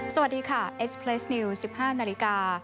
สวัสดีค่ะเอสเพลสนิว๑๕นาฬิกา